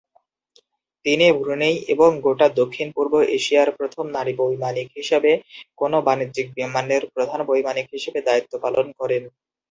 তিনি ব্রুনেই এবং গোটা দক্ষিণ-পূর্ব এশিয়ার প্রথম নারী বৈমানিক হিসেবে কোনো বাণিজ্যিক বিমানের প্রধান বৈমানিক হিসেবে দায়িত্ব পালন করেন।